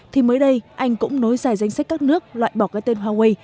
thì mới đây anh cũng nối dài danh sách các nước loại bỏ cái tên huawei